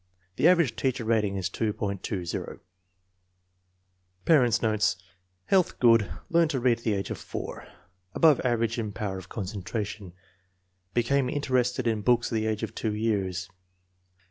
The average teacher rating is 2.20. Parents 9 notes. Health good. Learned to read at the age of 4. Above average in power of concentration. Became interested in books at the age of 2 years.